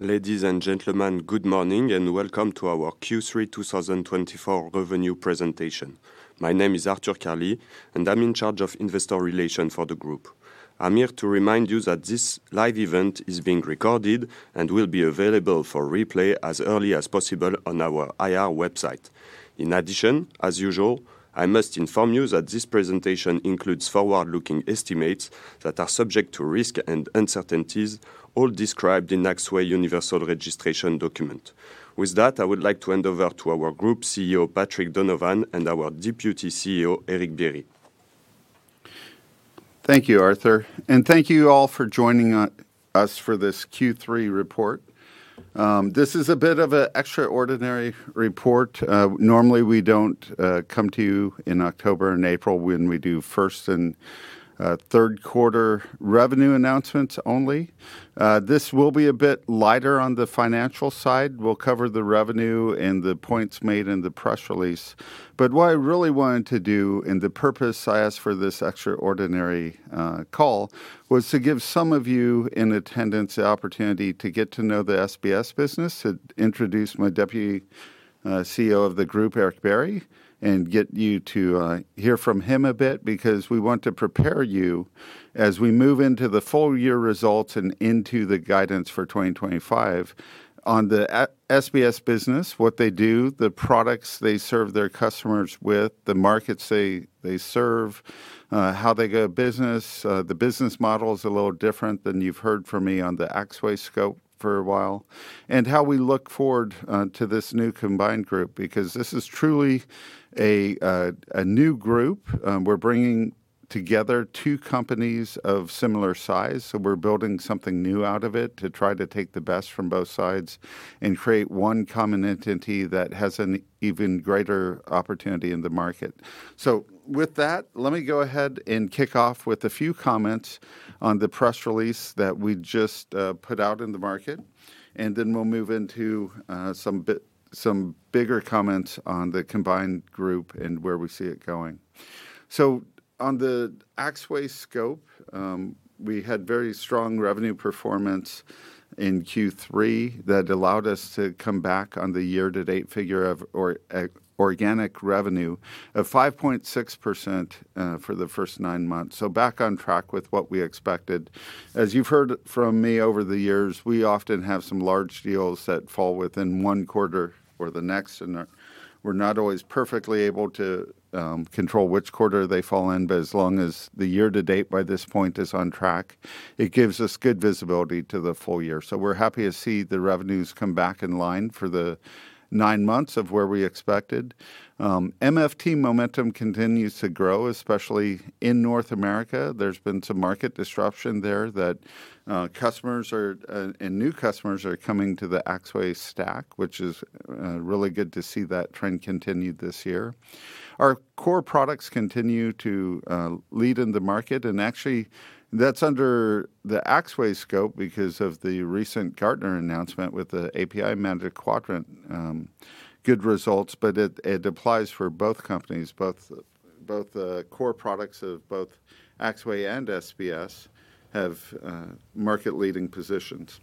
Ladies and gentlemen, good morning, and welcome to our Q3 2024 Revenue Presentation. My name is Arthur Carli, and I'm in charge of Investor Relations for the group. I'm here to remind you that this live event is being recorded and will be available for replay as early as possible on our IR website. In addition, as usual, I must inform you that this presentation includes forward-looking estimates that are subject to risks and uncertainties, all described in Axway Universal Registration Document. With that, I would like to hand over to our Group CEO, Patrick Donovan, and our Deputy CEO, Eric Berry. Thank you, Arthur, and thank you all for joining us for this Q3 report. This is a bit of a extraordinary report. Normally, we don't come to you in October and April when we do first and third quarter revenue announcements only. This will be a bit lighter on the financial side. We'll cover the revenue and the points made in the press release. But what I really wanted to do, and the purpose I asked for this extraordinary call, was to give some of you in attendance the opportunity to get to know the SBS business, to introduce my deputy CEO of the group, Eric Berry, and get you to hear from him a bit. Because we want to prepare you as we move into the full year results and into the guidance for 2025 on the Axway-SBS business, what they do, the products they serve their customers with, the markets they serve, how they do business. The business model is a little different than you've heard from me on the Axway scope for a while, and how we look forward to this new combined group, because this is truly a new group. We're bringing together two companies of similar size, so we're building something new out of it to try to take the best from both sides and create one common entity that has an even greater opportunity in the market. With that, let me go ahead and kick off with a few comments on the press release that we just put out in the market, and then we'll move into some bigger comments on the combined group and where we see it going. On the Axway scope, we had very strong revenue performance in Q3 that allowed us to come back on the year-to-date figure of organic revenue of 5.6% for the first nine months. Back on track with what we expected. As you've heard from me over the years, we often have some large deals that fall within one quarter or the next, and we're not always perfectly able to control which quarter they fall in. But as long as the year to date, by this point, is on track, it gives us good visibility to the full year. So we're happy to see the revenues come back in line for the nine months of where we expected. MFT momentum continues to grow, especially in North America. There's been some market disruption there that and new customers are coming to the Axway stack, which is really good to see that trend continue this year. Our core products continue to lead in the market, and actually, that's under the Axway scope because of the recent Gartner announcement with the API Management Magic Quadrant. Good results, but it applies for both companies. Both the core products of both Axway and SBS have market-leading positions.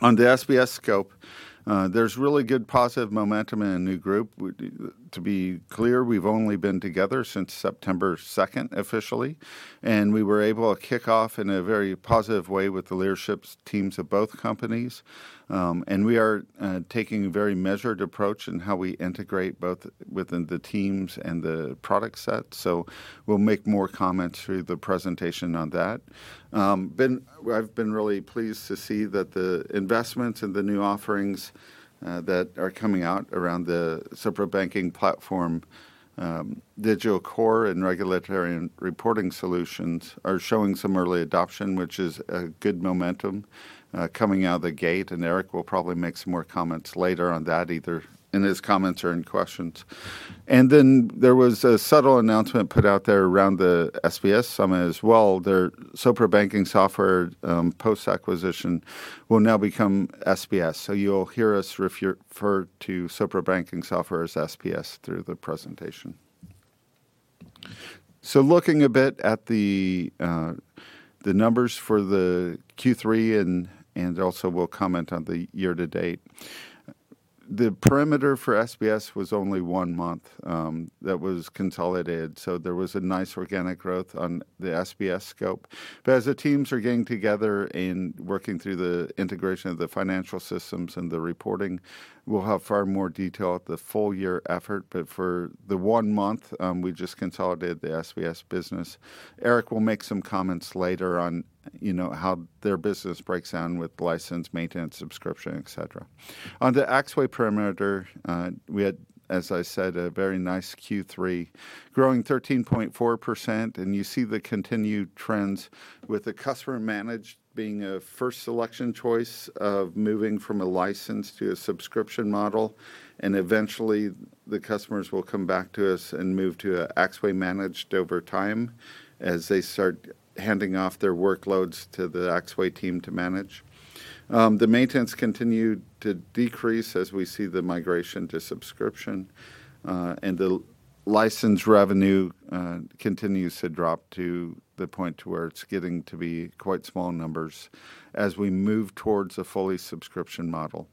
On the SBS scope, there's really good positive momentum in a new group. To be clear, we've only been together since September 2nd, officially, and we were able to kick off in a very positive way with the leadership teams of both companies. And we are taking a very measured approach in how we integrate both within the teams and the product set, so we'll make more comments through the presentation on that. I've been really pleased to see that the investments in the new offerings that are coming out around the Sopra Banking Platform, Digital Core and regulatory and reporting solutions are showing some early adoption, which is a good momentum coming out of the gate, and Eric will probably make some more comments later on that, either in his comments or in questions. And then there was a subtle announcement put out there around the SBS summit as well. Their Sopra Banking Software, post-acquisition, will now become SBS, so you'll hear us refer to Sopra Banking Software as SBS through the presentation, so looking a bit at the numbers for the Q3 and also we'll comment on the year to date. The perimeter for SBS was only one month that was consolidated, so there was a nice organic growth on the SBS scope, but as the teams are getting together and working through the integration of the financial systems and the reporting, we'll have far more detail at the full year effort, but for the one month, we just consolidated the SBS business. Eric will make some comments later on, you know, how their business breaks down with license, maintenance, subscription, et cetera. On the Axway perimeter, we had, as I said, a very nice Q3, growing 13.4%, and you see the continued trends with the customer managed being a first selection choice of moving from a licensed to a subscription model. Eventually, the customers will come back to us and move to a Axway Managed over time as they start handing off their workloads to the Axway team to manage. The maintenance continued to decrease as we see the migration to subscription, and license revenue continues to drop to the point to where it's getting to be quite small numbers as we move towards a fully subscription model.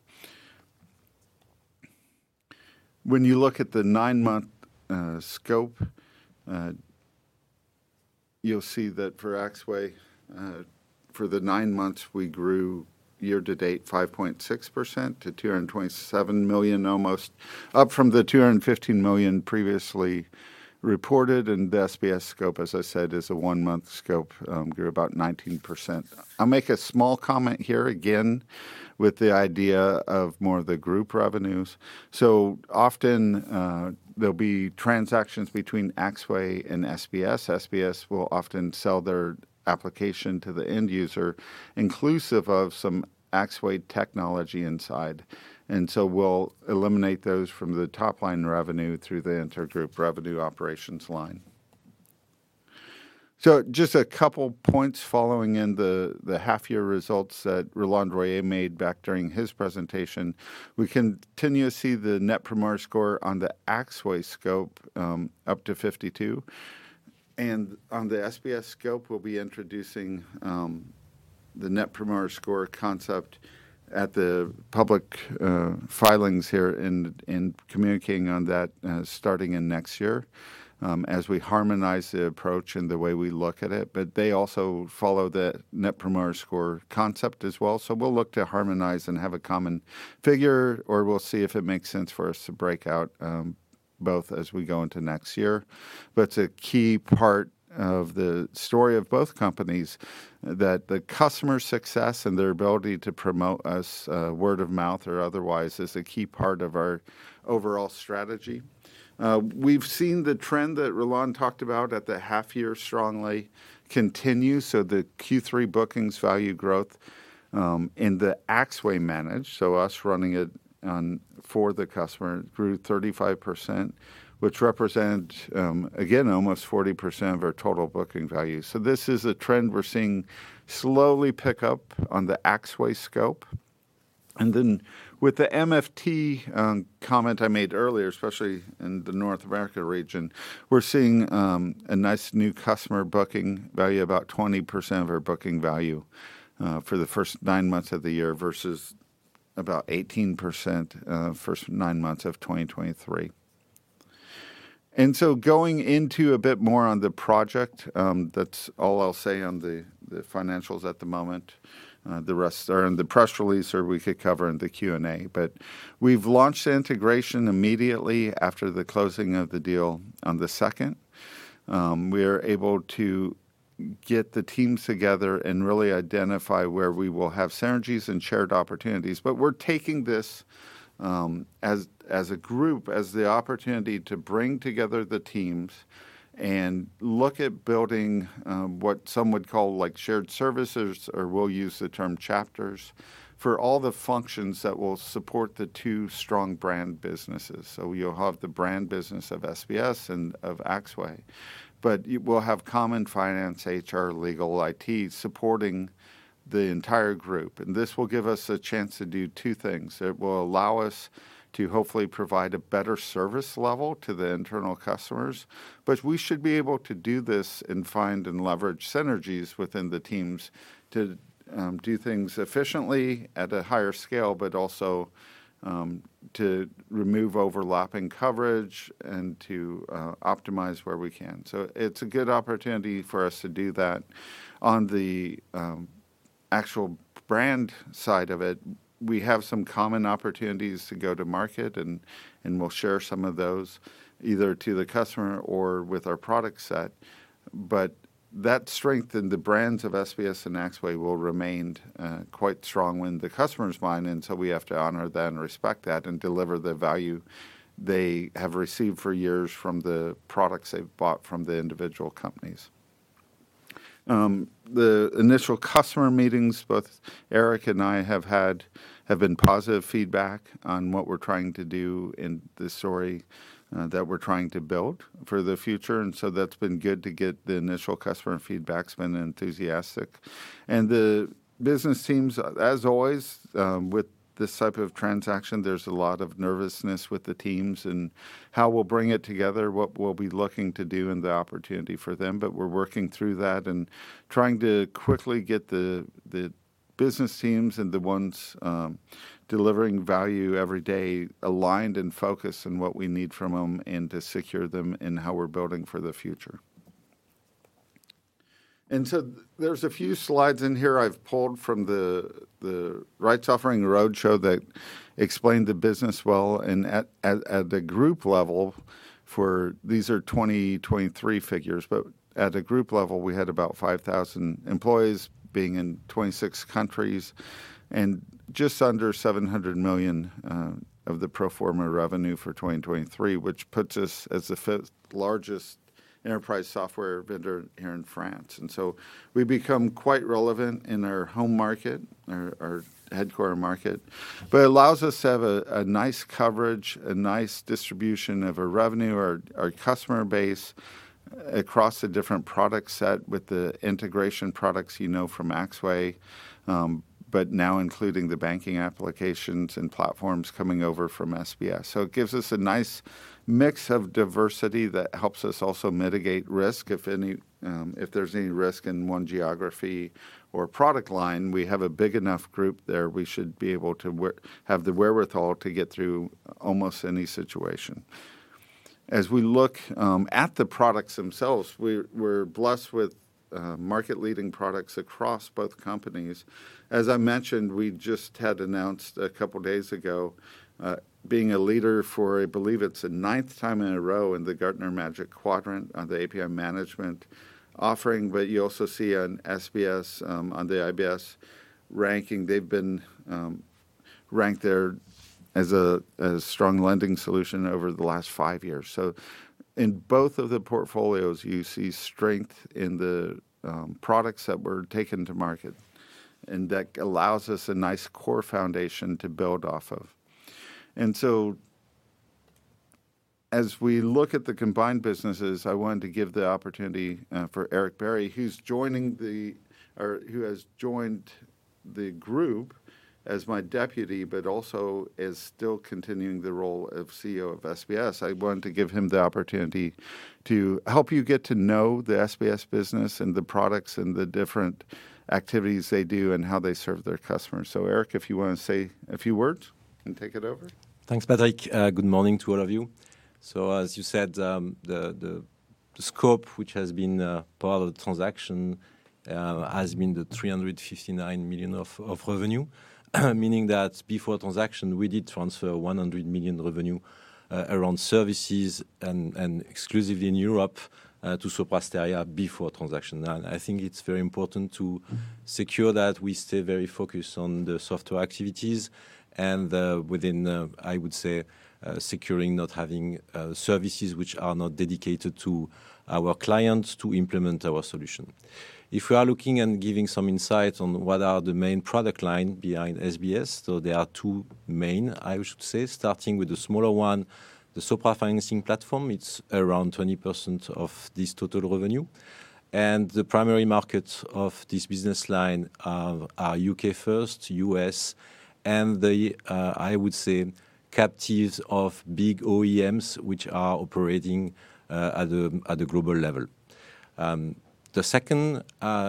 When you look at the nine-month scope, you'll see that for Axway, for the nine months, we grew year to date, 5.6% to 227 million, almost, up from the 215 million previously reported, and the SBS scope, as I said, is a one-month scope, grew about 19%. I'll make a small comment here again, with the idea of more of the group revenues. So often, there'll be transactions between Axway and SBS. SBS will often sell their application to the end user, inclusive of some Axway technology inside, and so we'll eliminate those from the top-line revenue through the intergroup revenue operations line. So just a couple points following in the half-year results that Roland Royer made back during his presentation. We continue to see the Net Promoter Score on the Axway scope up to 52. And on the SBS scope, we'll be introducing the Net Promoter Score concept at the public filings here in communicating on that starting in next year as we harmonize the approach and the way we look at it. But they also follow the Net Promoter Score concept as well. So we'll look to harmonize and have a common figure, or we'll see if it makes sense for us to break out both as we go into next year. But it's a key part of the story of both companies, that the customer success and their ability to promote us word of mouth or otherwise is a key part of our overall strategy. We've seen the trend that Roland talked about at the half year strongly continue, so the Q3 bookings value growth in the Axway Managed, so us running it for the customer, grew 35%, which represent, again, almost 40% of our total booking value. This is a trend we're seeing slowly pick up on the Axway scope. And then with the MFT comment I made earlier, especially in the North America region, we're seeing a nice new customer booking value, about 20% of our booking value for the first nine months of the year versus about 18% first nine months of 2023. And so going into a bit more on the project, that's all I'll say on the financials at the moment. The rest are in the press release or we could cover in the Q&A. But we've launched the integration immediately after the closing of the deal on the second. We are able to get the teams together and really identify where we will have synergies and shared opportunities. But we're taking this, as a group, as the opportunity to bring together the teams and look at building, what some would call like shared services, or we'll use the term chapters, for all the functions that will support the two strong brand businesses. So you'll have the brand business of SBS and of Axway, but you will have common finance, HR, legal, IT supporting the entire group. And this will give us a chance to do two things. It will allow us to hopefully provide a better service level to the internal customers, but we should be able to do this and find and leverage synergies within the teams to do things efficiently at a higher scale, but also to remove overlapping coverage and to optimize where we can. So it's a good opportunity for us to do that. On the actual brand side of it, we have some common opportunities to go to market and and we'll share some of those either to the customer or with our product set. But that strength in the brands of SBS and Axway will remain quite strong in the customer's mind, and so we have to honor that and respect that, and deliver the value they have received for years from the products they've bought from the individual companies. The initial customer meetings, both Eric and I have had, have been positive feedback on what we're trying to do and the story that we're trying to build for the future, and so that's been good to get. The initial customer feedback's been enthusiastic. And the business teams, as always, with this type of transaction, there's a lot of nervousness with the teams and how we'll bring it together, what we'll be looking to do, and the opportunity for them. But we're working through that and trying to quickly get the business teams and the ones delivering value every day, aligned and focused on what we need from them and to secure them in how we're building for the future. And so there's a few slides in here I've pulled from the rights offering roadshow that explained the business well. At the group level, these are 2023 figures, but at the group level, we had about 5,000 employees being in 26 countries, and just under 700 million of the pro forma revenue for 2023, which puts us as the fifth largest enterprise software vendor here in France. We've become quite relevant in our home market or our headquarters market. It allows us to have a nice coverage, a nice distribution of our revenue, our customer base across the different product set with the integration products you know from Axway, but now including the banking applications and platforms coming over from SBS. It gives us a nice mix of diversity that helps us also mitigate risk. If any, if there's any risk in one geography or product line, we have a big enough group there, we should be able to have the wherewithal to get through almost any situation. As we look at the products themselves, we're blessed with market-leading products across both companies. As I mentioned, we just had announced a couple days ago, being a leader for, I believe it's the ninth time in a row, in the Gartner Magic Quadrant on the API management offering. But you also see on SBS, on the IBS ranking, they've been ranked there as a strong lending solution over the last five years. So in both of the portfolios, you see strength in the products that were taken to market, and that allows us a nice core foundation to build off of. And so as we look at the combined businesses, I wanted to give the opportunity for Eric Berry, who's joining or who has joined the group as my deputy, but also is still continuing the role of CEO of SBS. I want to give him the opportunity to help you get to know the SBS business, and the products, and the different activities they do, and how they serve their customers. So, Eric, if you want to say a few words and take it over. Thanks, Patrick. Good morning to all of you. So, as you said, the scope which has been part of the transaction has been the 359 million of revenue. Meaning that before transaction, we did transfer 100 million revenue around services and exclusively in Europe to Sopra Steria before transaction. And I think it's very important to secure that we stay very focused on the software activities and within the... I would say, securing, not having services which are not dedicated to our clients to implement our solution. If we are looking and giving some insight on what are the main product line behind SBS, so there are two main, I should say, starting with the smaller one, the Sopra Financing Platform. It's around 20% of this total revenue. The primary markets of this business line are U.K. first, U.S., and the, I would say, captives of big OEMs, which are operating at a global level. The second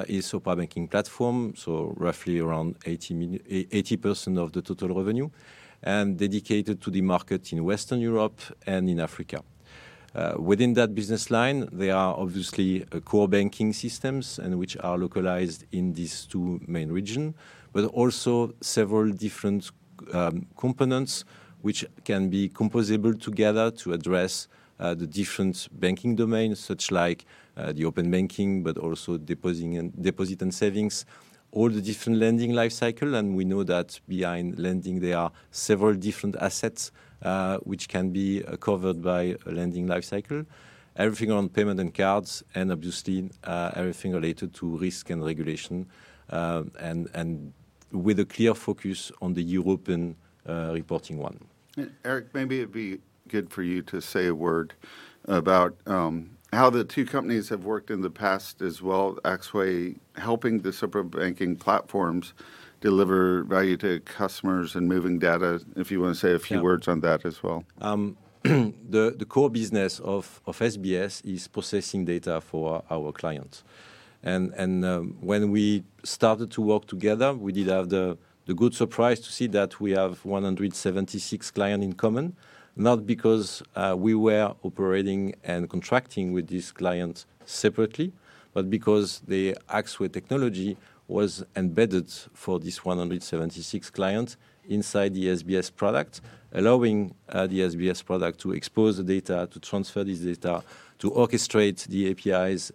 is Sopra Banking Platform, so roughly around 80% of the total revenue, and dedicated to the market in Western Europe and in Africa. Within that business line, there are obviously core banking systems and which are localized in these two main regions, but also several different components which can be composable together to address the different banking domains, such as the open banking, but also deposit and savings, all the different lending life cycle. We know that behind lending, there are several different assets which can be covered by a lending life cycle. Everything on payment and cards, and obviously, everything related to risk and regulation, and with a clear focus on the European, reporting one. Eric, maybe it'd be good for you to say a word about how the two companies have worked in the past as well, Axway helping the Sopra Banking platforms deliver value to customers and moving data, if you want to say a few words- Yeah On that as well. The core business of SBS is processing data for our clients. When we started to work together, we did have the good surprise to see that we have 176 clients in common. Not because we were operating and contracting with these clients separately, but because the Axway technology was embedded for these 176 clients inside the SBS product, allowing the SBS product to expose the data, to transfer this data, to orchestrate the APIs.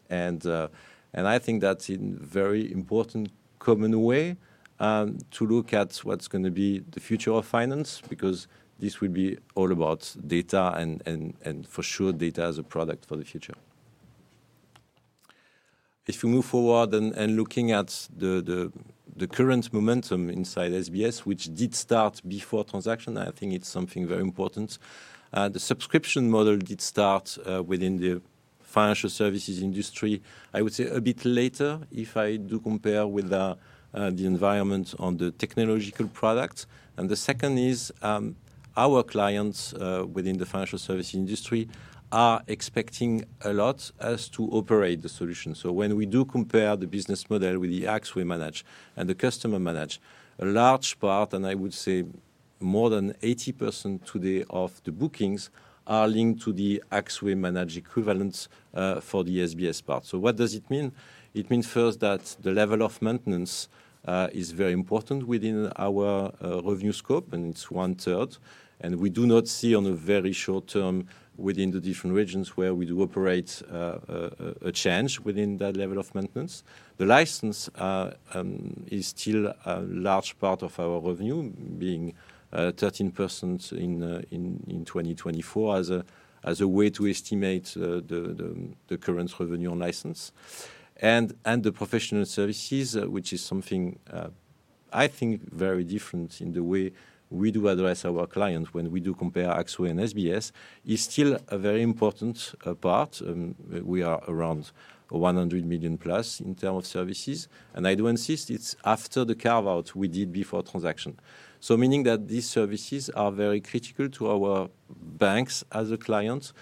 I think that's a very important common way to look at what's going to be the future of finance, because this will be all about data and for sure, data is a product for the future. If you move forward and looking at the current momentum inside SBS, which did start before transaction, I think it's something very important. The subscription model did start within the financial services industry, I would say, a bit later, if I do compare with the environment on the technological product. And the second is, our clients within the financial service industry are expecting a lot as to operate the solution. So when we do compare the business model with the Axway Managed and the customer managed, a large part, and I would say more than 80% today of the bookings, are linked to the Axway Managed equivalents, for the SBS part. So what does it mean? It means first that the level of maintenance is very important within our revenue scope, and it's one-third, and we do not see on a very short term within the different regions where we do operate a change within that level of maintenance. The license is still a large part of our revenue, being 13% in 2024, as a way to estimate the current revenue on license. And the professional services, which is something I think very different in the way we do address our clients when we do compare Axway and SBS, is still a very important part. We are around 100 million plus in term of services, and I do insist it's after the carve-out we did before transaction. Meaning that these services are very critical to our banks as a client,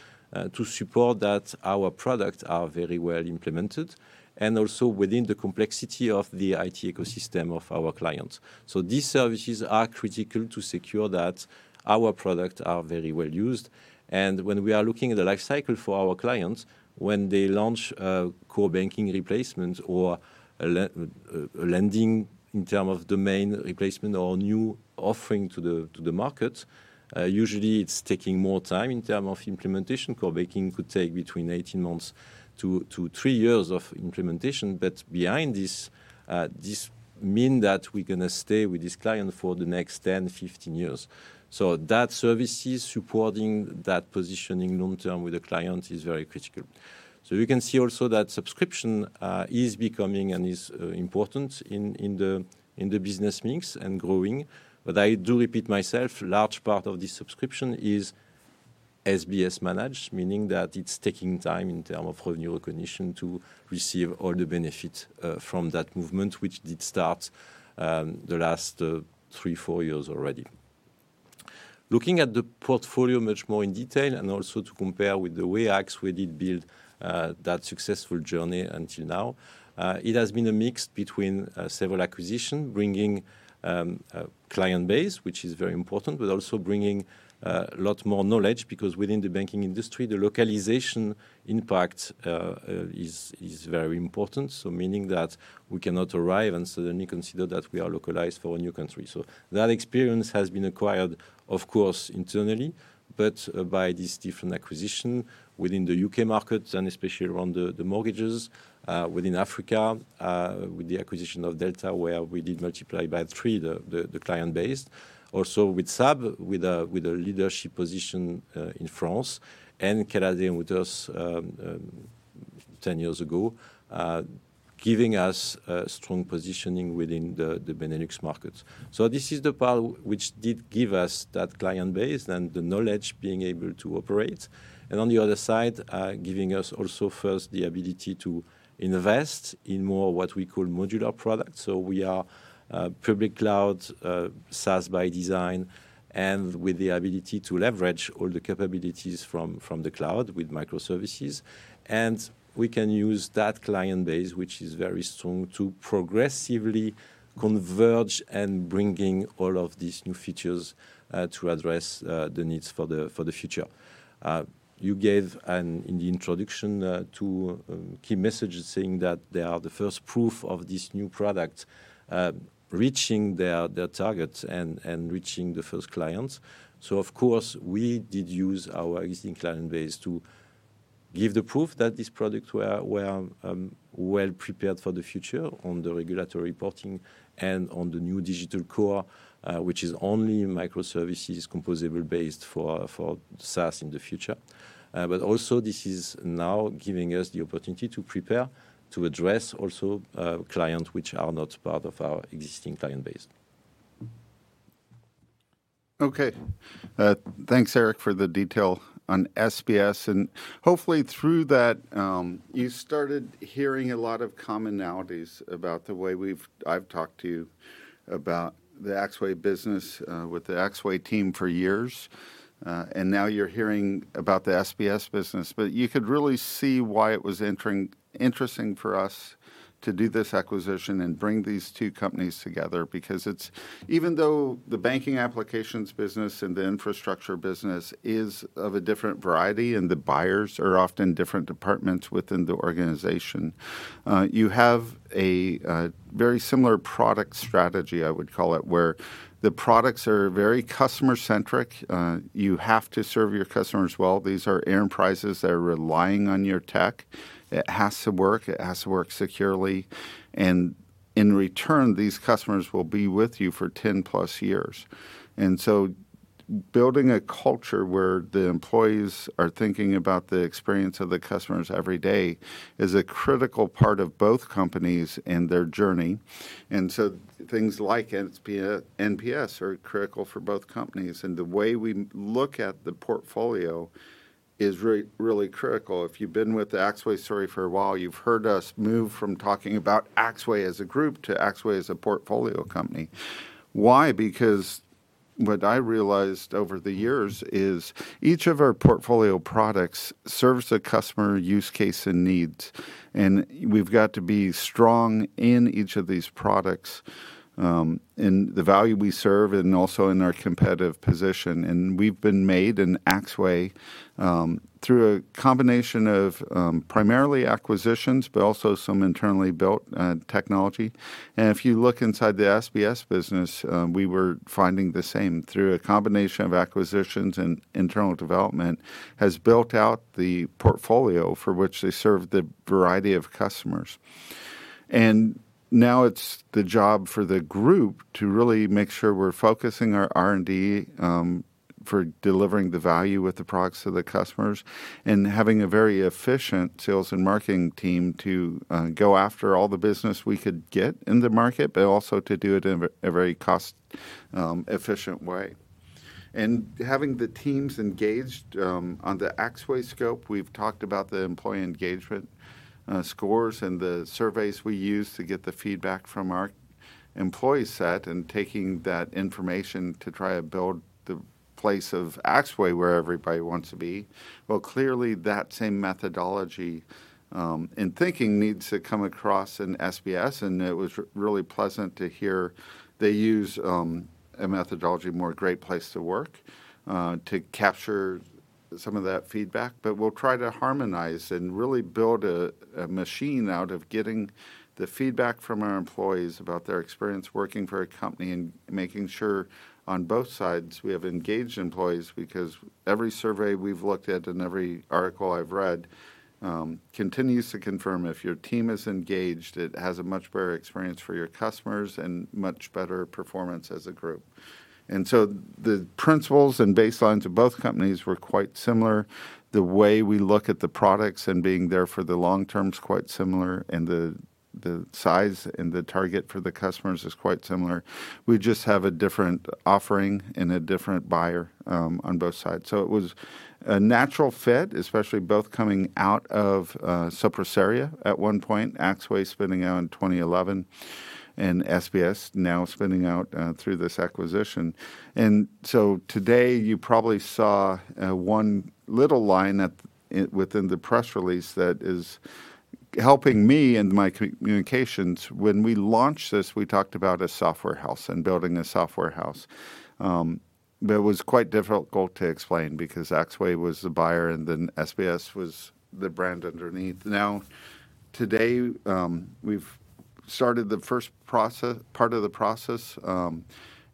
to support that our product are very well implemented, and also within the complexity of the IT ecosystem of our clients. These services are critical to secure that our product are very well used. When we are looking at the life cycle for our clients, when they launch core banking replacement or a lending in term of domain replacement or new offering to the market, usually it's taking more time in term of implementation. Core banking could take between eighteen months to three years of implementation. Behind this, this mean that we're gonna stay with this client for the next ten, fifteen years. Services supporting that positioning long term with the client is very critical. So you can see also that subscription is becoming and is important in the business mix and growing. But I do repeat myself, large part of this subscription is SBS Managed, meaning that it's taking time in term of revenue recognition to receive all the benefit from that movement, which did start the last three, four years already. Looking at the portfolio much more in detail and also to compare with the way Axway did build that successful journey until now, it has been a mix between several acquisition, bringing a client base, which is very important, but also bringing a lot more knowledge, because within the banking industry, the localization impact is very important. So meaning that we cannot arrive and suddenly consider that we are localized for a new country. So that experience has been acquired, of course, internally, but by this different acquisition within the UK markets and especially around the mortgages within Africa with the acquisition of Delta, where we did multiply by three the client base. Also with SAB, with a leadership position in France, and Caden with us 10 years ago, giving us a strong positioning within the Benelux markets. So this is the part which did give us that client base and the knowledge being able to operate, and on the other side, giving us also first the ability to invest in more what we call modular products. So we are public cloud, SaaS by design, and with the ability to leverage all the capabilities from the cloud with microservices. And we can use that client base, which is very strong, to progressively converge and bringing all of these new features to address the needs for the future. You gave and in the introduction two key messages saying that they are the first proof of this new product reaching their targets and reaching the first clients. So of course, we did use our existing client base to give the proof that these products were well prepared for the future on the regulatory reporting and on the new digital core, which is only microservices composable-based for SaaS in the future. But also this is now giving us the opportunity to prepare to address also clients which are not part of our existing client base. Okay. Thanks, Eric, for the detail on SBS, and hopefully through that, you started hearing a lot of commonalities about the way we've. I've talked to you about the Axway business, with the Axway team for years. And now you're hearing about the SBS business, but you could really see why it was interesting for us to do this acquisition and bring these two companies together. Because it's even though the banking applications business and the infrastructure business is of a different variety, and the buyers are often different departments within the organization, you have a very similar product strategy, I would call it, where the products are very customer-centric. You have to serve your customers well. These are enterprises that are relying on your tech. It has to work, it has to work securely, and in return, these customers will be with you for ten plus years. And so building a culture where the employees are thinking about the experience of the customers every day is a critical part of both companies and their journey, and so things like NPS, NPS are critical for both companies. And the way we look at the portfolio is really critical. If you've been with the Axway story for a while, you've heard us move from talking about Axway as a group to Axway as a portfolio company. Why? Because what I realized over the years is each of our portfolio products serves a customer use case and needs, and we've got to be strong in each of these products, in the value we serve and also in our competitive position. And we've been made in Axway through a combination of primarily acquisitions, but also some internally built technology. And if you look inside the SBS business, we were finding the same. Through a combination of acquisitions and internal development, has built out the portfolio for which they serve the variety of customers. And now it's the job for the group to really make sure we're focusing our R&D for delivering the value with the products to the customers, and having a very efficient sales and marketing team to go after all the business we could get in the market, but also to do it in a very cost efficient way. Having the teams engaged, on the Axway scope, we've talked about the employee engagement scores and the surveys we use to get the feedback from our employee set, and taking that information to try to build the place of Axway, where everybody wants to be. Clearly that same methodology and thinking needs to come across in SBS, and it was really pleasant to hear. They use a methodology, Great Place to Work, to capture some of that feedback. We'll try to harmonize and really build a machine out of getting the feedback from our employees about their experience working for a company, and making sure on both sides we have engaged employees. Because every survey we've looked at and every article I've read continues to confirm if your team is engaged, it has a much better experience for your customers and much better performance as a group, and so the principles and baselines of both companies were quite similar. The way we look at the products and being there for the long term is quite similar, and the size and the target for the customers is quite similar. We just have a different offering and a different buyer on both sides, so it was a natural fit, especially both coming out of Sopra Steria at one point, Axway spinning out in 2011, and SBS now spinning out through this acquisition, and so today you probably saw one little line in the press release that is helping me and my communications. When we launched this, we talked about a software house and building a software house. But it was quite difficult to explain because Axway was the buyer, and then SBS was the brand underneath. Now, today, we've started the first part of the process,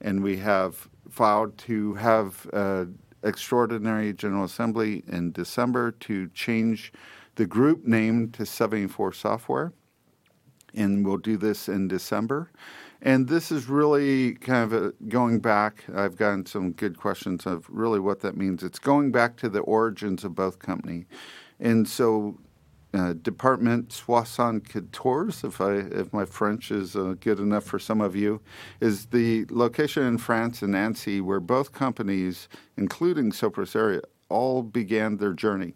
and we have filed to have extraordinary general assembly in December to change the group name to 74Software, and we'll do this in December. This is really kind of going back. I've gotten some good questions of really what that means. It's going back to the origins of both company. So, Department 74, Savoie, if my French is good enough for some of you, is the location in France, in Annecy, where both companies, including Sopra Steria, all began their journey.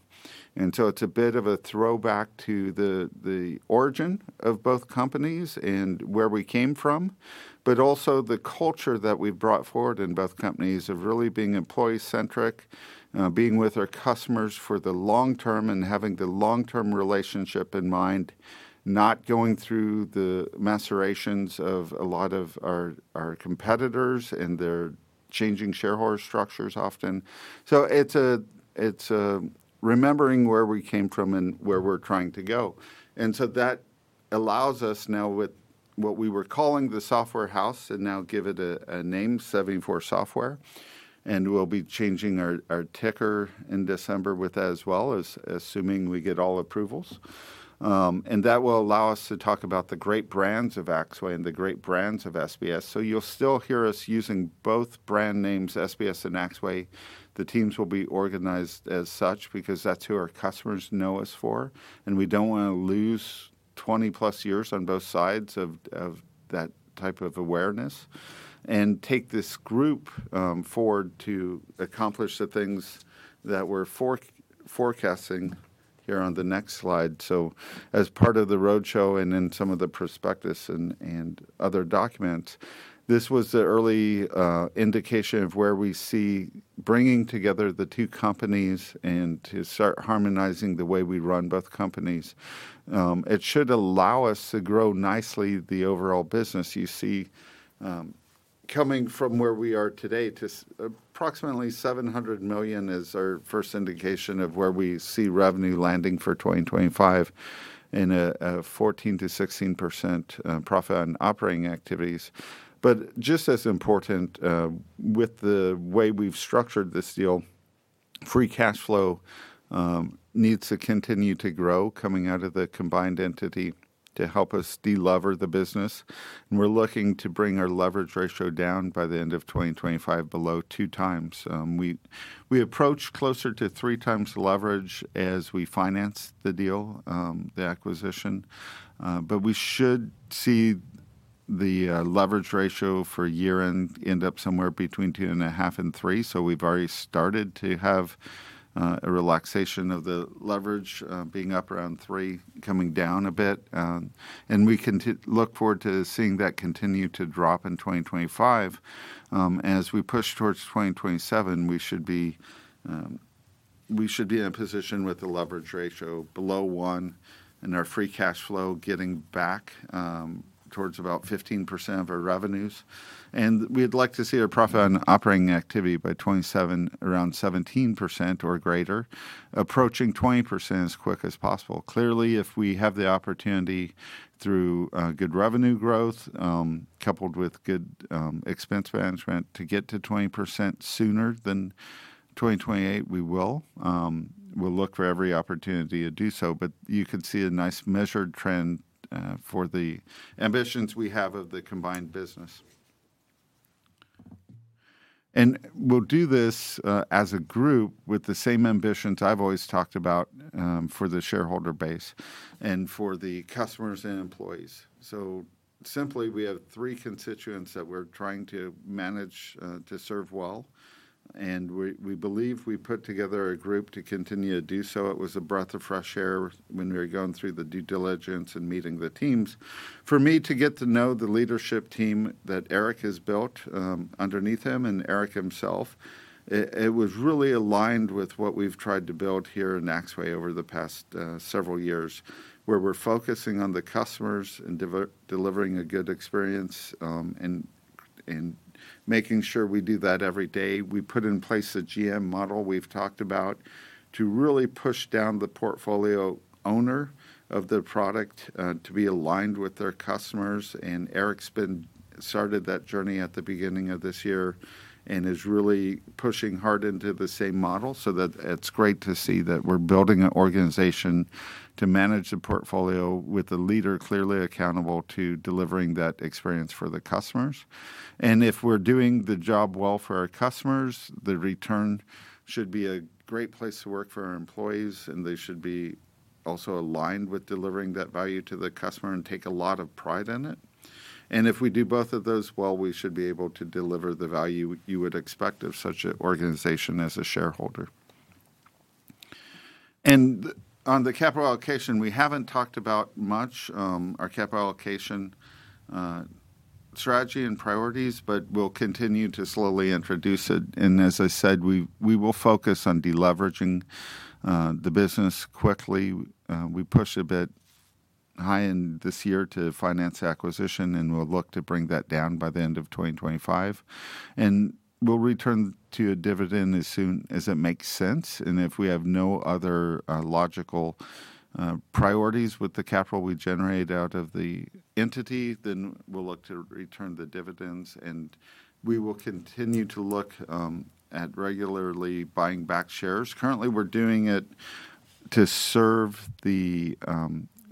It's a bit of a throwback to the origin of both companies and where we came from, but also the culture that we've brought forward in both companies of really being employee-centric, being with our customers for the long term, and having the long-term relationship in mind, not going through the machinations of a lot of our competitors and their changing shareholder structures often. It's remembering where we came from and where we're trying to go. That allows us now with what we were calling the software house, and now give it a name, 74Software, and we'll be changing our ticker in December with that as well, assuming we get all approvals. That will allow us to talk about the great brands of Axway and the great brands of SBS. So you'll still hear us using both brand names, SBS and Axway. The teams will be organized as such because that's who our customers know us for, and we don't want to lose twenty plus years on both sides of that type of awareness, and take this group forward to accomplish the things that we're forecasting here on the next slide. As part of the roadshow and in some of the prospectus and other documents, this was the early indication of where we see bringing together the two companies and to start harmonizing the way we run both companies. It should allow us to grow nicely the overall business. You see, coming from where we are today to approximately 700 million is our first indication of where we see revenue landing for twenty twenty-five in a 14%-16% profit on operating activities. But just as important, with the way we've structured this deal, free cash flow needs to continue to grow coming out of the combined entity to help us de-lever the business, and we're looking to bring our leverage ratio down by the end of 2025 below two times. We approach closer to three times leverage as we finance the deal, the acquisition, but we should see the leverage ratio for year-end end up somewhere between two and a half and three. So we've already started to have a relaxation of the leverage being up around three, coming down a bit, and we look forward to seeing that continue to drop in 2025. As we push towards 2027, we should be in a position with a leverage ratio below one and our free cash flow getting back towards about 15% of our revenues. And we'd like to see our profit on operating activity by 2027, around 17% or greater, approaching 20% as quick as possible. Clearly, if we have the opportunity through good revenue growth coupled with good expense management, to get to 20% sooner than 2028, we will. We'll look for every opportunity to do so, but you can see a nice measured trend for the ambitions we have of the combined business. And we'll do this as a group with the same ambitions I've always talked about for the shareholder base and for the customers and employees. So simply, we have three constituents that we're trying to manage to serve well, and we believe we put together a group to continue to do so. It was a breath of fresh air when we were going through the due diligence and meeting the teams. For me to get to know the leadership team that Eric has built underneath him and Eric himself, it was really aligned with what we've tried to build here in Axway over the past several years, where we're focusing on the customers and delivering a good experience, and making sure we do that every day. We put in place a GM model we've talked about to really push down the portfolio owner of the product to be aligned with their customers, and Eric's started that journey at the beginning of this year and is really pushing hard into the same model, so that it's great to see that we're building an organization to manage the portfolio with the leader clearly accountable to delivering that experience for the customers. And if we're doing the job well for our customers, the return should be a great place to work for our employees, and they should be also aligned with delivering that value to the customer and take a lot of pride in it. And if we do both of those well, we should be able to deliver the value you would expect of such an organization as a shareholder. And on the capital allocation, we haven't talked about much, our capital allocation strategy and priorities, but we'll continue to slowly introduce it. And as I said, we will focus on deleveraging the business quickly. We pushed a bit high-end this year to finance acquisition, and we'll look to bring that down by the end of 2025. And we'll return to a dividend as soon as it makes sense, and if we have no other logical priorities with the capital we generate out of the entity, then we'll look to return the dividends, and we will continue to look at regularly buying back shares. Currently, we're doing it to serve the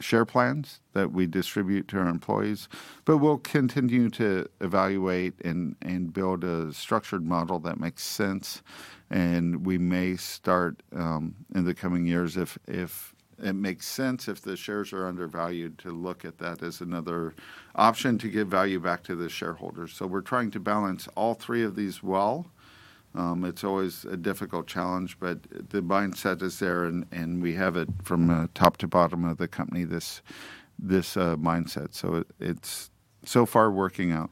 share plans that we distribute to our employees, but we'll continue to evaluate and build a structured model that makes sense, and we may start in the coming years if it makes sense, if the shares are undervalued, to look at that as another option to give value back to the shareholders. So we're trying to balance all three of these well. It's always a difficult challenge, but the mindset is there, and we have it from top to bottom of the company, this mindset. So it's so far working out.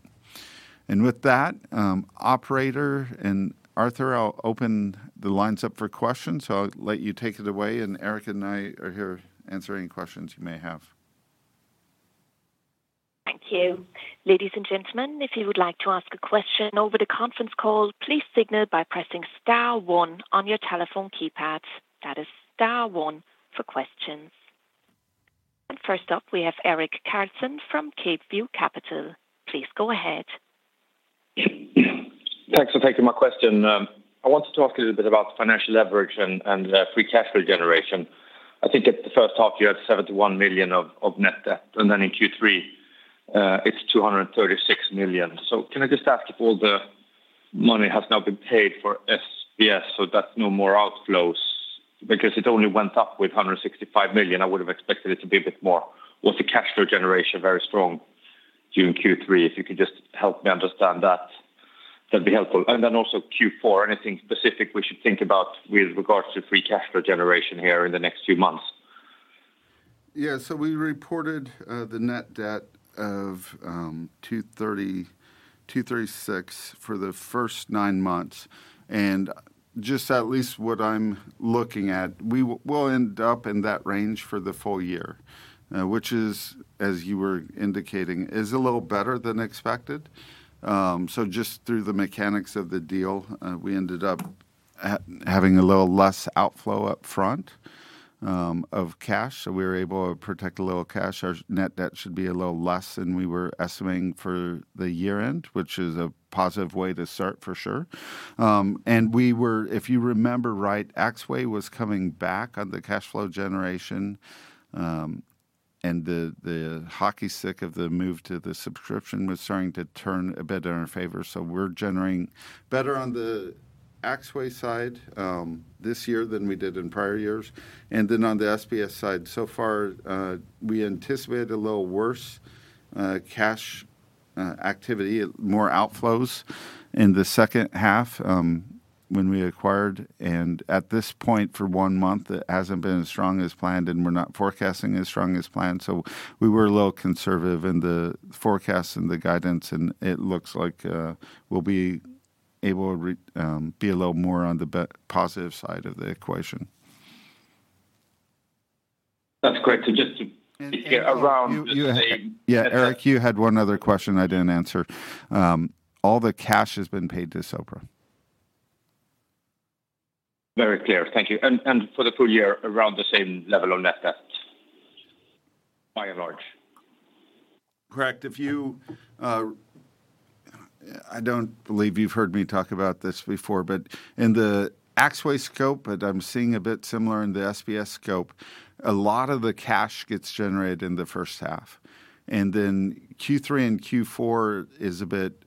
And with that, operator and Arthur, I'll open the lines up for questions, so I'll let you take it away, and Eric and I are here answering questions you may have. Thank you. Ladies and gentlemen, if you would like to ask a question over the conference call, please signal by pressing star one on your telephone keypads. That is star one for questions. And first up, we have Erik Karlsson from CapeView Capital. Please go ahead. Thanks for taking my question. I want to talk a little bit about the financial leverage and free cash flow generation. I think at the first half, you had 71 million of net debt, and then in Q3, it's 236 million. So can I just ask if all the money has now been paid for SBS, so that's no more outflows? Because it only went up with 165 million; I would have expected it to be a bit more. Was the cash flow generation very strong during Q3? If you could just help me understand that, that'd be helpful. And then also Q4, anything specific we should think about with regards to free cash flow generation here in the next few months? Yeah, so we reported the net debt of 230-236 for the first nine months, and just, at least what I'm looking at, we'll end up in that range for the full year, which is, as you were indicating, a little better than expected. So just through the mechanics of the deal, we ended up having a little less outflow upfront of cash, so we were able to protect a little cash. Our net debt should be a little less than we were estimating for the year-end, which is a positive way to start, for sure. And we were. If you remember right, Axway was coming back on the cash flow generation, and the hockey stick of the move to the subscription was starting to turn a bit in our favor, so we're generating better on the Axway side this year than we did in prior years. Then on the SBS side, so far we anticipated a little worse cash activity, more outflows in the second half when we acquired, and at this point, for one month, it hasn't been as strong as planned, and we're not forecasting as strong as planned. We were a little conservative in the forecast and the guidance, and it looks like we'll be able to be a little more on the positive side of the equation. That's great. So just to get around the same- Yeah, Eric, you had one other question I didn't answer. All the cash has been paid to Sopra. Very clear. Thank you. And, and for the full year, around the same level of net debt by and large? Correct. If you, I don't believe you've heard me talk about this before, but in the Axway scope, but I'm seeing a bit similar in the SBS scope, a lot of the cash gets generated in the first half, and then Q3 and Q4 is a bit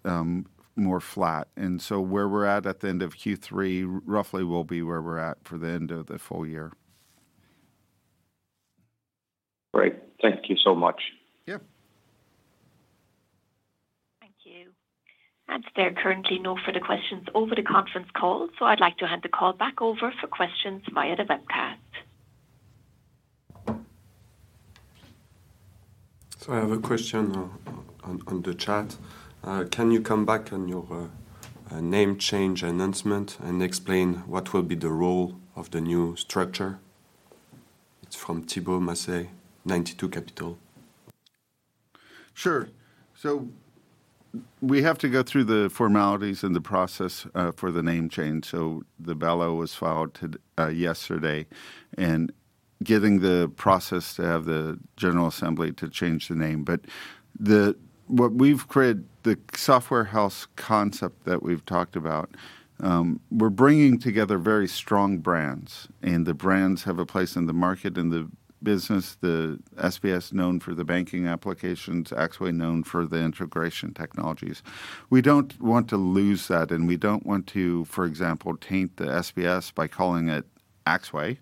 more flat. And so where we're at at the end of Q3, roughly will be where we're at for the end of the full year. Great. Thank you so much. Yeah. Thank you, and there are currently no further questions over the conference call, so I'd like to hand the call back over for questions via the webcast. So I have a question on the chat. Can you come back on your name change announcement and explain what will be the role of the new structure? It's from Thibault Masset, 92 Capital. Sure. So we have to go through the formalities and the process for the name change. So the bulletin was filed yesterday and given the process to have the general assembly to change the name. But what we've created, the software house concept that we've talked about, we're bringing together very strong brands, and the brands have a place in the market and the business, the SBS known for the banking applications, Axway known for the integration technologies. We don't want to lose that, and we don't want to, for example, taint the SBS by calling it Axway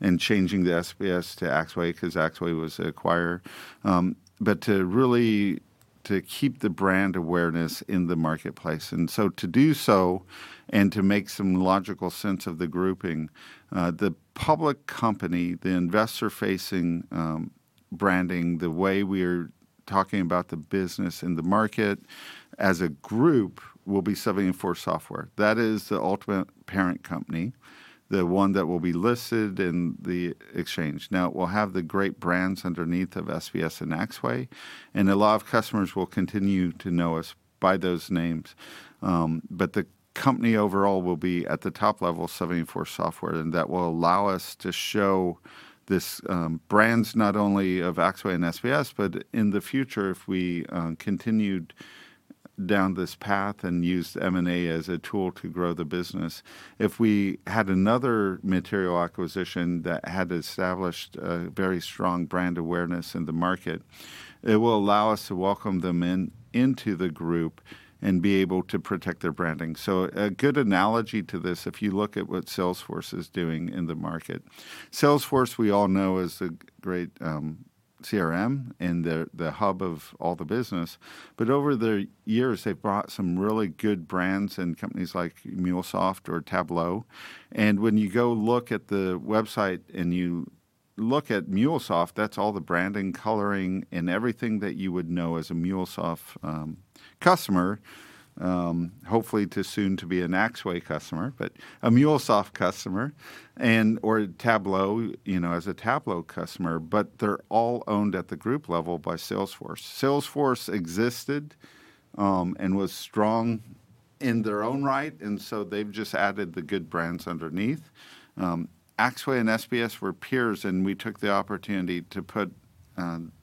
and changing the SBS to Axway 'cause Axway was an acquirer. But to really, to keep the brand awareness in the marketplace, and so to do so and to make some logical sense of the grouping, the public company, the investor-facing, branding, the way we are talking about the business and the market as a group will be 74Software. That is the ultimate parent company, the one that will be listed in the exchange. Now, it will have the great brands underneath of SBS and Axway, and a lot of customers will continue to know us by those names. But the company overall will be at the top level, 74Software, and that will allow us to show these brands not only of Axway and SBS, but in the future, if we continued down this path and used M&A as a tool to grow the business, if we had another material acquisition that had established a very strong brand awareness in the market, it will allow us to welcome them into the group and be able to protect their branding. So a good analogy to this, if you look at what Salesforce is doing in the market. Salesforce, we all know, is a great CRM and the hub of all the business. But over the years, they've bought some really good brands and companies like Mulesoft or Tableau. When you go look at the website and you look at Mulesoft, that's all the branding, coloring, and everything that you would know as a Mulesoft customer, hopefully to soon to be an Axway customer, but a Mulesoft customer and or Tableau, you know, as a Tableau customer, but they're all owned at the group level by Salesforce. Salesforce existed and was strong in their own right, and so they've just added the good brands underneath. Axway and SBS were peers, and we took the opportunity to put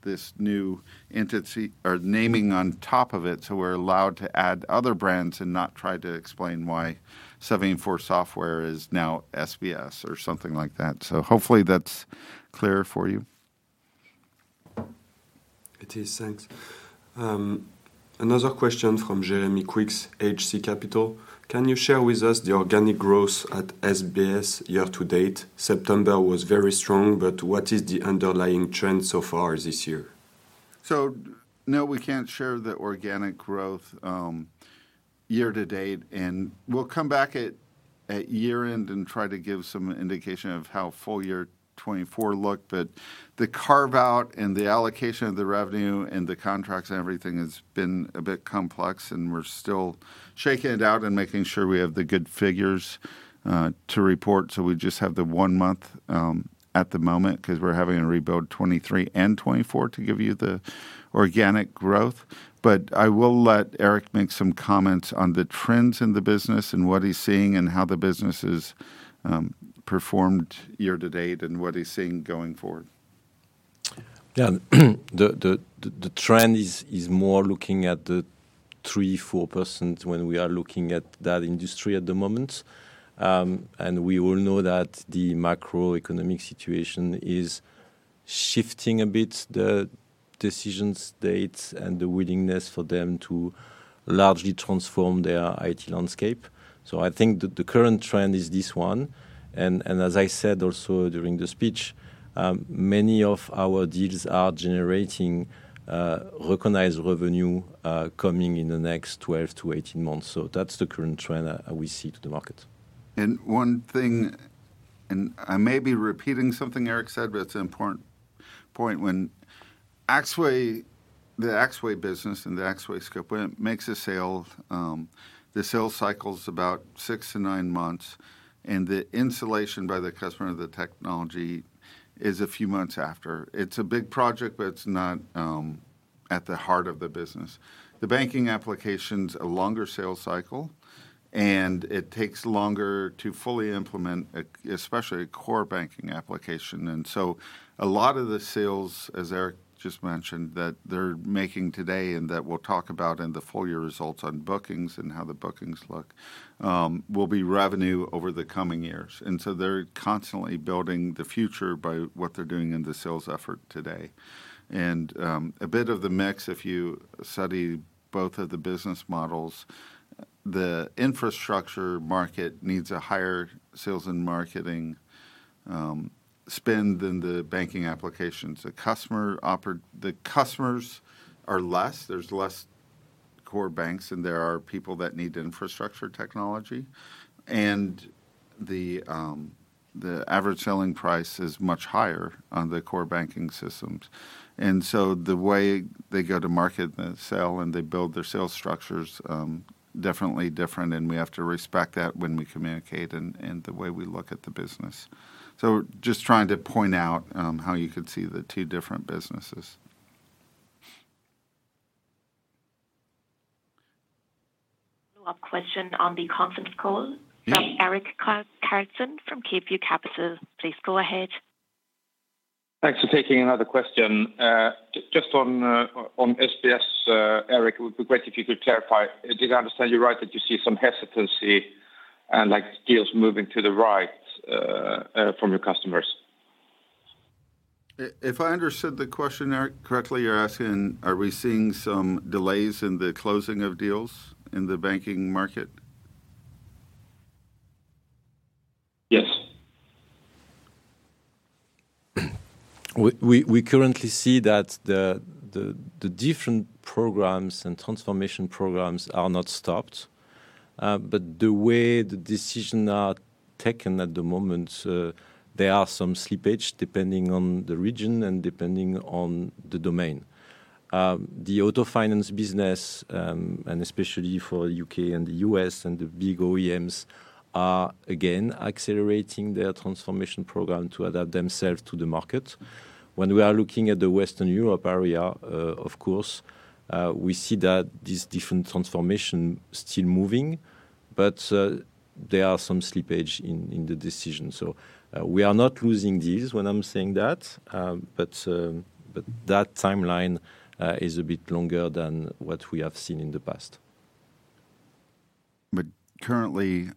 this new entity or naming on top of it, so we're allowed to add other brands and not try to explain why seventy-four Software is now SBS or something like that. So hopefully that's clear for you. It is. Thanks. Another question from Jeremy please of H2O Asset Management: Can you share with us the organic growth at SBS year to date? September was very strong, but what is the underlying trend so far this year? So no, we can't share the organic growth year to date, and we'll come back at year-end and try to give some indication of how full year 2024 looked. But the carve-out and the allocation of the revenue and the contracts and everything has been a bit complex, and we're still shaking it out and making sure we have the good figures to report. So we just have the one month at the moment 'cause we're having to rebuild 2023 and 2024 to give you the organic growth. But I will let Eric make some comments on the trends in the business and what he's seeing and how the business is performed year to date and what he's seeing going forward. Yeah. The trend is more looking at the 3-4% when we are looking at that industry at the moment. And we all know that the macroeconomic situation is shifting a bit, the decision dates and the willingness for them to largely transform their IT landscape. So I think the current trend is this one, and as I said also during the speech, many of our deals are generating recognized revenue coming in the next 12 to 18 months. So that's the current trend we see to the market. And one thing, and I may be repeating something Eric said, but it's an important point. When Axway, the Axway business and the Axway scope, when it makes a sale, the sales cycle is about six to nine months, and the installation by the customer of the technology is a few months after. It's a big project, but it's not at the heart of the business. The banking application's a longer sales cycle, and it takes longer to fully implement, especially a core banking application. And so a lot of the sales, as Eric just mentioned, that they're making today and that we'll talk about in the full year results on bookings and how the bookings look, will be revenue over the coming years. And so they're constantly building the future by what they're doing in the sales effort today. And, a bit of the mix, if you study both of the business models, the infrastructure market needs a higher sales and marketing spend than the banking applications. The customers are less. There's less core banks than there are people that need infrastructure technology, and the average selling price is much higher on the core banking systems. And so the way they go to market and sell, and they build their sales structure is definitely different, and we have to respect that when we communicate and the way we look at the business. So just trying to point out how you could see the two different businesses. We have a question on the conference call. Yeah. From Erik Karlsson from Capeview Capital. Please go ahead. Thanks for taking another question. Just on SBS, Eric, it would be great if you could clarify. Did I understand you right, that you see some hesitancy and, like, deals moving to the right from your customers? If I understood the question, Eric, correctly, you're asking, are we seeing some delays in the closing of deals in the banking market? Yes. We currently see that the different programs and transformation programs are not stopped, but the way the decisions are taken at the moment, there are some slippage, depending on the region and depending on the domain. The auto finance business, and especially for U.K. and the U.S., and the big OEMs, are again accelerating their transformation program to adapt themselves to the market. When we are looking at the Western Europe area, of course, we see that these different transformation still moving, but there are some slippage in the decision. So, we are not losing deals when I'm saying that, but that timeline is a bit longer than what we have seen in the past. But currently,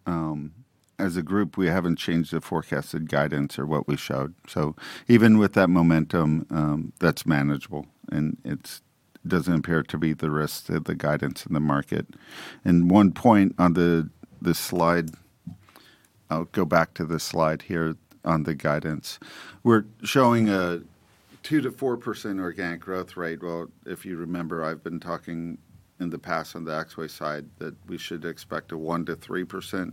as a group, we haven't changed the forecasted guidance or what we've showed. So even with that momentum, that's manageable, and it doesn't appear to be the risk to the guidance in the market. And one point on the slide. I'll go back to the slide here on the guidance. We're showing a 2%-4% organic growth rate. Well, if you remember, I've been talking in the past on the Axway side that we should expect a 1%-3%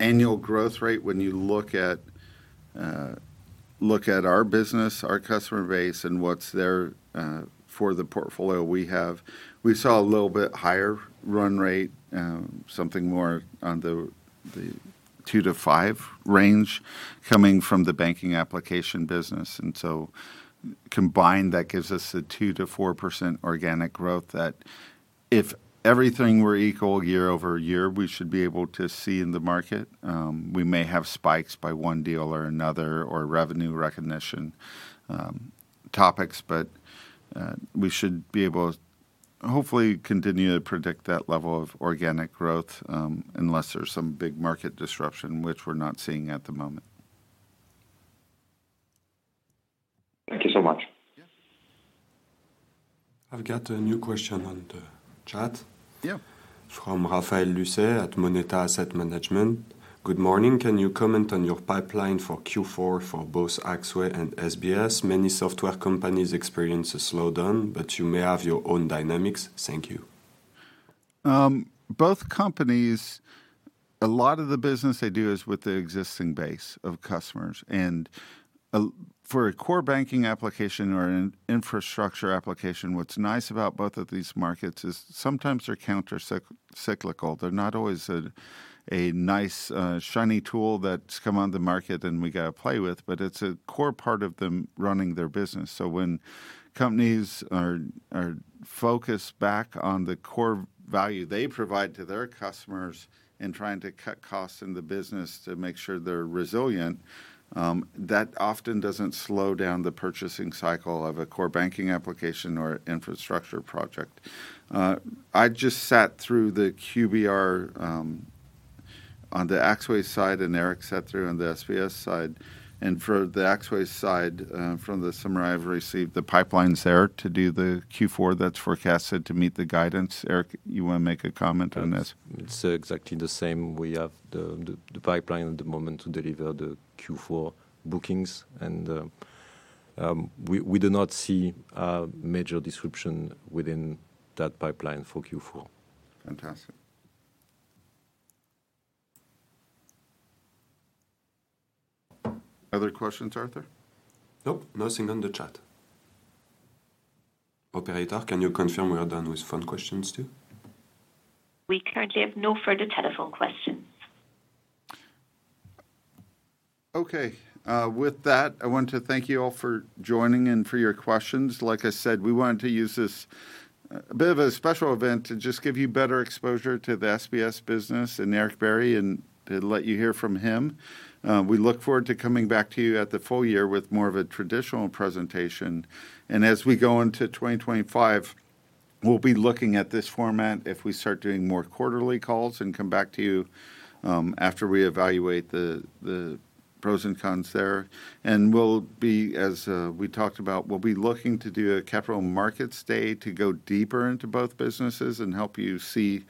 annual growth rate. When you look at our business, our customer base, and what's there for the portfolio we have, we saw a little bit higher run rate, something more on the 2-5 range, coming from the banking application business. Combined, that gives us 2-4% organic growth that if everything were equal year over year, we should be able to see in the market. We may have spikes by one deal or another, or revenue recognition topics, but we should be able to hopefully continue to predict that level of organic growth, unless there's some big market disruption, which we're not seeing at the moment. Thank you so much. Yeah. I've got a new question on the chat- Yeah... from Rafael Lucet at Moneta Asset Management. "Good morning. Can you comment on your pipeline for Q4 for both Axway and SBS? Many software companies experience a slowdown, but you may have your own dynamics. Thank you. Both companies, a lot of the business they do is with the existing base of customers. And, for a core banking application or an infrastructure application, what's nice about both of these markets is sometimes they're countercyclical. They're not always a nice, shiny tool that's come on the market, and we gotta play with, but it's a core part of them running their business. So when companies are focused back on the core value they provide to their customers and trying to cut costs in the business to make sure they're resilient, that often doesn't slow down the purchasing cycle of a core banking application or infrastructure project. I just sat through the QBR, on the Axway side, and Eric sat through on the SBS side. For the Axway side, from the summary I've received, the pipeline's there to do the Q4 that's forecasted to meet the guidance. Eric, you want to make a comment on this? It's exactly the same. We have the pipeline at the moment to deliver the Q4 bookings, and we do not see a major disruption within that pipeline for Q4. Fantastic. Other questions, Arthur? Nope. Nothing on the chat. Operator, can you confirm we are done with phone questions, too? We currently have no further telephone questions. Okay, with that, I want to thank you all for joining and for your questions. Like I said, we wanted to use this, a bit of a special event to just give you better exposure to the SBS business and Eric Bierry, and to let you hear from him. We look forward to coming back to you at the full year with more of a traditional presentation. And as we go into 2025, we'll be looking at this format if we start doing more quarterly calls and come back to you, after we evaluate the pros and cons there. We'll be, as we talked about, looking to do a Capital Markets Day to go deeper into both businesses and help you see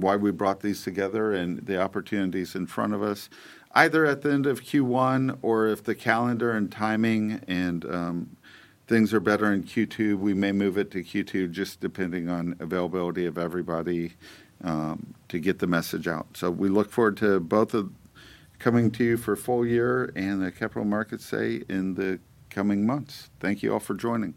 why we brought these together and the opportunities in front of us, either at the end of Q1, or if the calendar and timing and things are better in Q2, we may move it to Q2, just depending on availability of everybody to get the message out. We look forward to both coming to you for a full year and a capital markets day in the coming months. Thank you all for joining.